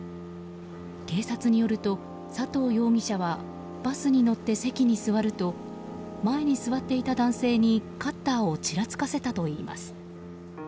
警察によると、佐藤容疑者はバスに乗って席に座ると前に座っていた男性にカッターをちらつかせたといいます。